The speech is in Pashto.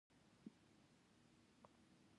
ختیځپېژندنه مغلوب لوري ته کتل